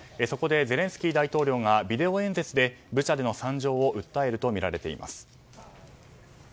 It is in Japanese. そこでゼレンスキー大統領がビデオ演説でブチャでの惨状を訴えるとみられています。